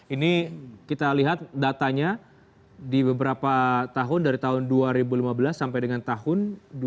ini kita lihat datanya di beberapa tahun dari tahun dua ribu lima belas sampai dengan tahun dua ribu dua puluh